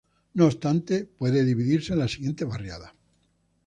No obstante, puede dividirse en las siguientes barriadas.